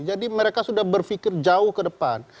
jadi mereka sudah berpikir jauh ke depan